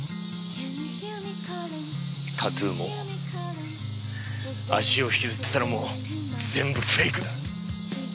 タトゥーも足を引きずってたのも全部フェイクだ。